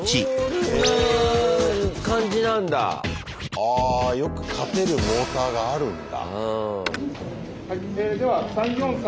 あよく勝てるモーターがあるんだ。